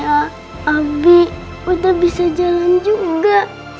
ya abi udah bisa jalan juga